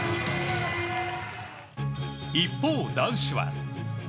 一方、男子は。